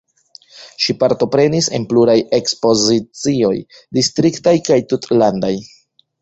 Ŝi partoprenis en pluraj ekspozicioj distriktaj kaj tutlandaj.